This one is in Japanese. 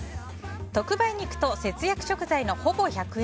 特売肉と節約食材のほぼ１００円